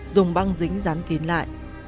dùng băng dính rán kín lại